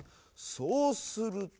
そうするとほら！